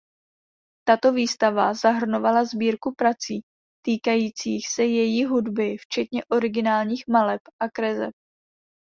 Tato výstava zahrnovala sbírku prací týkajících se její hudby včetně originálních maleb a kreseb.